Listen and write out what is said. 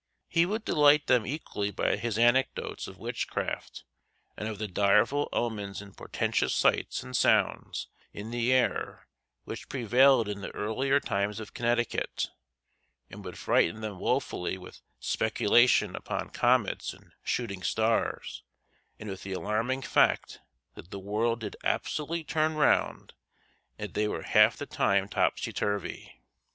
He would delight them equally by his anecdotes of witchcraft and of the direful omens and portentous sights and sounds in the air which prevailed in the earlier times of Connecticut, and would frighten them woefully with speculations upon comets and shooting stars, and with the alarming fact that the world did absolutely turn round and that they were half the time topsy turvy.